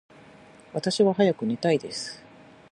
私は早く寝たいです。